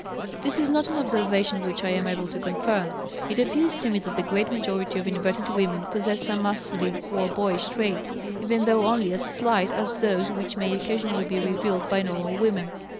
This is not an observation which I am able to confirm. It appears to me that the great majority of inverted women possess some masculine or boyish traits, even though only as slight as those which may occasionally be revealed by normal women.